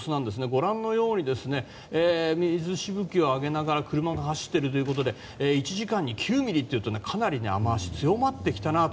ご覧のように水しぶきを上げながら車も走っているということで１時間に９ミリというとかなり雨脚が強まってきたなと。